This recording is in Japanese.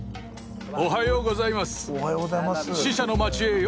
おはようございます。